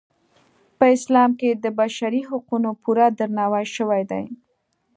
په اسلام کې د بشري حقونو پوره درناوی شوی دی.